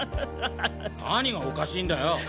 何がおかしいんだよ？